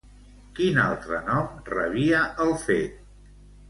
Quin altre nom rebia el fet?